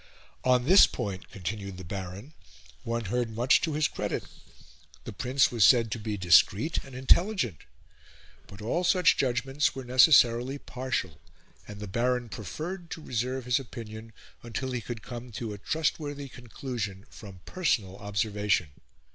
On this point, continued the Baron, one heard much to his credit; the Prince was said to be discreet and intelligent; but all such judgments were necessarily partial, and the Baron preferred to reserve his opinion until he could come to a trustworthy conclusion from personal observation.